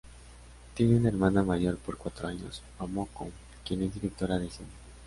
Tiene una hermana mayor por cuatro años, Momoko, quien es directora de cine.